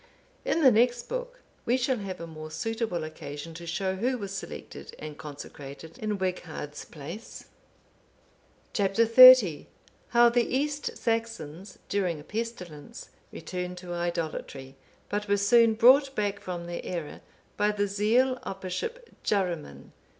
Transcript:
In the next book we shall have a more suitable occasion to show who was selected and consecrated in Wighard's place. Chap. XXX. How the East Saxons, during a pestilence, returned to idolatry, but were soon brought back from their error by the zeal of Bishop Jaruman.